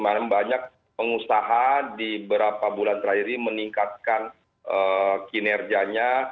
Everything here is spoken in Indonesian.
karena banyak pengusaha di beberapa bulan terakhir ini meningkatkan kinerjanya